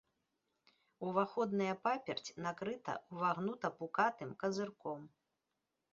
Уваходная паперць накрыта ўвагнута-пукатым казырком.